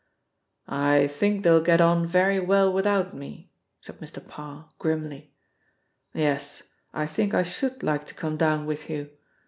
"I think they'll get on very well without me," said Mr. Parr grimly. "Yes, I think I should like to come down with you.